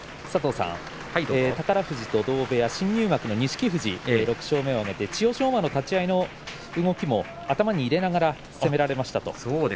宝富士と同部屋新入幕の錦富士６勝目を挙げて千代翔馬の立ち合いの動きを頭に入れながら、攻められました。